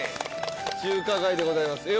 中華街でございます。